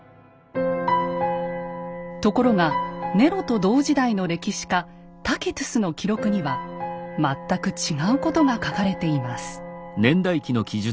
ところがネロと同時代の歴史家タキトゥスの記録には全く違うことが書かれています。